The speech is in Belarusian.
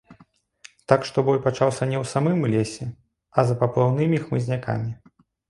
Так што бой пачаўся не ў самым лесе, а за паплаўнымі хмызнякамі.